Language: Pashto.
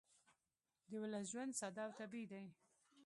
د ولس ژوند ساده او طبیعي دی